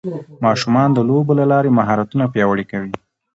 ماشومان د لوبو له لارې مهارتونه پیاوړي کوي